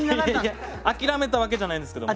いや諦めたわけじゃないんですけども。